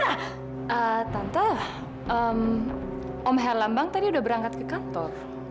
tante tante om helambang tadi udah berangkat ke kantor